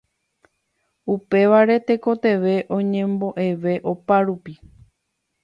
Upévare tekotevẽ oñemboʼeve opárupi.